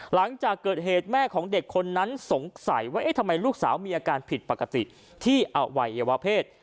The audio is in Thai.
หลังจากเกิดเหตุแม่ของเด็กคนนั้นสงสัยว่าเอ๊ะทำไมลูกสาวมีอาการผิดปกติที่อวัยวะเพศ